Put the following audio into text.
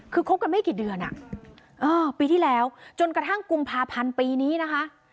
คือคบกันไม่กี่เดือนปีที่แล้วจนกระทั่งกุมภาพันธ์ปีนี้นะคะ